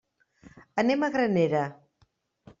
Anem a Granera.